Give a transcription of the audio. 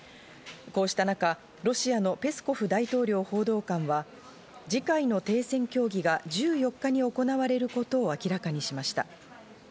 こうした中、ロシアのペスコフ大統領報道官は次回の停戦協議が１４日に行われることを明らかにしました。